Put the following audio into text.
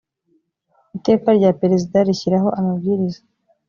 iteka rya perezida rishyiraho amabwiriza